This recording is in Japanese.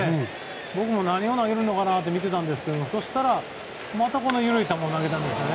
僕も何を投げるのかなと見ていたんですがそしたら、またこの緩い球を投げたんですね。